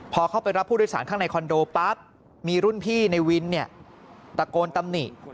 พอเข้าไปรับผู้โดยสารข้างในคอนโดปั๊บมีรุ่นพี่ในวินตะโกนตำหนิ